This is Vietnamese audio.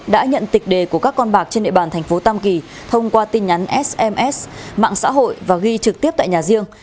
đã nhận tịch đề của các con bạc trên địa bàn thành phố tam kỳ thông qua tin nhắn sms mạng xã hội và ghi trực tiếp tại nhà riêng